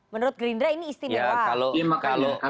menurut gerindra ini istimewa